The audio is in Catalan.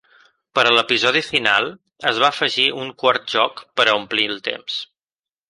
Per al episodi final, es va afegir un quart joc per a omplir el temps.